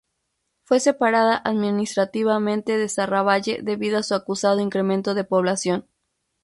Fue separada administrativamente de Serravalle debido a su acusado incremento de población.